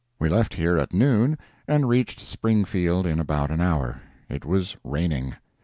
We left here at noon, and reached Springfield in about an hour. It was raining.